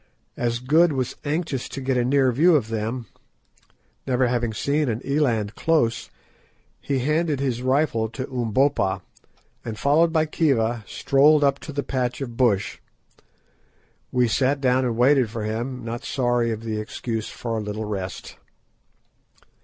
As Good was anxious to get a near view of them, never having seen an eland close, he handed his rifle to Umbopa, and, followed by Khiva, strolled up to the patch of bush. We sat down and waited for him, not sorry of the excuse for a little rest.